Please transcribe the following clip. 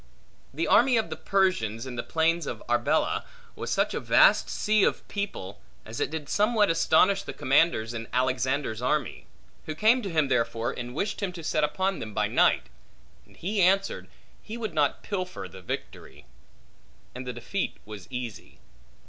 The army of the Persians, in the plains of Arbela, was such a vast sea of people, as it did somewhat astonish the commanders in Alexander's army; who came to him therefore, and wished him to set upon them by night; and he answered, He would not pilfer the victory. And the defeat was easy.